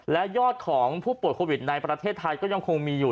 และยอดของผู้ป่วยโควิดในประเทศไทยก็ยังคงมีอยู่